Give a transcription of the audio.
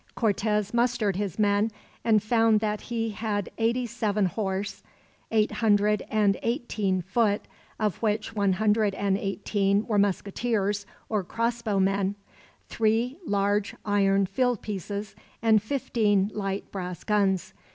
Cortez mustered his men, and found that he had eighty seven horse; eight hundred and eighteen foot, of which one hundred and eighteen were musketeers or crossbow men; three large iron field pieces, and fifteen light brass guns.